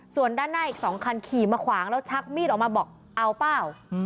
ส่วนด้านหน้าอีก๒คันขี่มาขวางแล้วชักมีดออกมาบอกเอาเปล่า